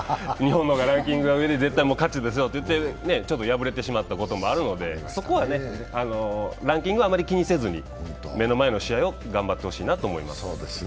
日本の方がランキング上で絶対勝ちですよと言って、敗れてしまったこともあるので、ランキングはあまり気にせずに目の前の試合を頑張ってほしいなと思います。